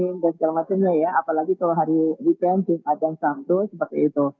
perjalanan seni dan segala macamnya ya apalagi kalau hari weekend zim adhan sabtu seperti itu